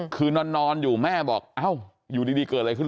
คือนอนอยู่แม่บอกเอ้าอยู่ดีเกิดอะไรขึ้น